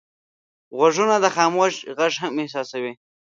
غوږونه د خاموش غږ هم احساسوي